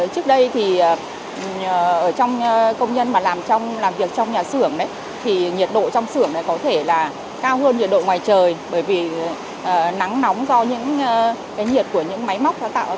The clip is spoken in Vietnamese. trước đây thì ở trong công nhân mà làm việc trong nhà xưởng thì nhiệt độ trong xưởng có thể là cao hơn nhiệt độ ngoài trời bởi vì nắng nóng do những nhiệt của những máy móc tạo tỏa ra